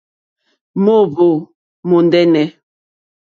Mòóhwò mòndɛ́nɛ̀.